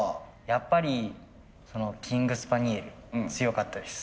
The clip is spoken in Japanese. やっぱりキングスパニエル強かったです。